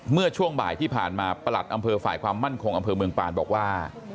เมื่อช่วงบ่ายที่ผ่านมาประหลัดอำเภอฝ่ายความมั่นคงอำเภอเมืองปานบอกว่า